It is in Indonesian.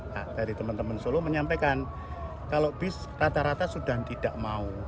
nah dari teman teman solo menyampaikan kalau bis rata rata sudah tidak mau